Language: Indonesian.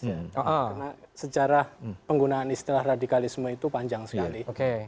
karena sejarah penggunaan istilah radikalisme itu panjang sekali